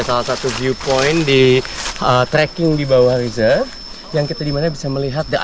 salah satu viewpoint di tracking di bawah reserve yang kita dimana bisa melihat the